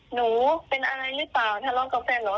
หนูเป็นอะไรหรือเปล่าทะเลาะกับแฟนเหรอ